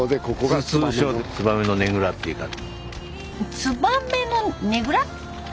ツバメのねぐら？